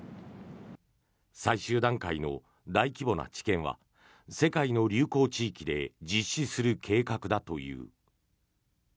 最終段階の大規模な治験は世界の流行地域で実施する計画だという。